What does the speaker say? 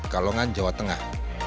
kalongan jawa tengah